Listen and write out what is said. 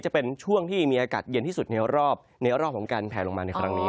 จะเป็นช่วงที่มีอากาศเย็นที่สุดในรอบในรอบของการแผลลงมาในครั้งนี้